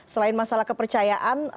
selain masalah kepercayaan